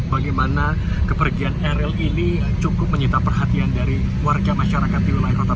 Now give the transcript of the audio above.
bagaimana kepergian eril ini cukup menyita perhatian dari warga masyarakat di wilayah kota